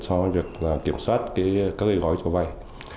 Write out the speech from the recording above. so với việc kiểm soát các gây gói cho vay